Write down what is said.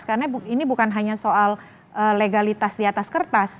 karena ini bukan hanya soal legalitas di atas kertas